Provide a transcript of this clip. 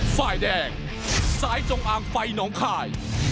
ไฟแดงสายจงอ่างไฟหนองคาย